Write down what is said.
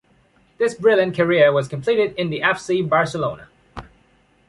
This brilliant career was completed in the FC Barcelona.